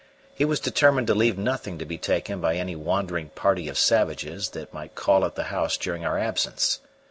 He was determined to leave nothing to be taken by any wandering party of savages that might call at the house during our absence.